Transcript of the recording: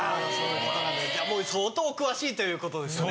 じゃもう相当お詳しいということですね。